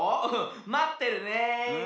まってるね。